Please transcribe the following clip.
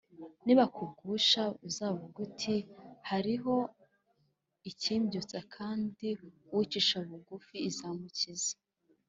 nibakugusha uzavuga uti’ hariho ikimbyutsa’ kandi uwicisha bugufi izamukiza,